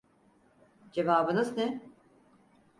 Cevabınız ne?